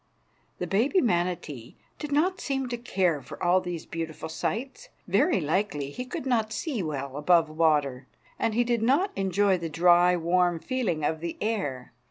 The baby manatee did not seem to care for all these beautiful sights. Very likely he could not see well above water, and he did not enjoy the dry, warm feeling of the air.